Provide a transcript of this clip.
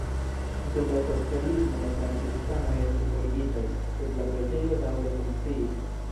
Dum la socialismo la franciskanoj estis forigitaj, sed la preĝejo daŭre funkciis.